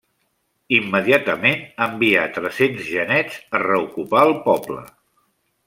Immediatament envià tres-cents genets a reocupar el poble.